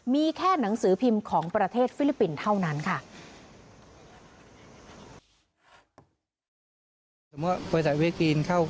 มีแค่หนังสือพิมพ์ของประเทศฟิลิปปินส์เท่านั้นค่ะ